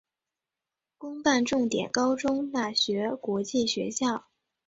公办重点高中大学国际学校